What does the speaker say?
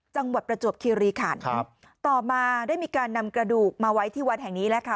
ประจวบคิริขันครับต่อมาได้มีการนำกระดูกมาไว้ที่วัดแห่งนี้แล้วค่ะ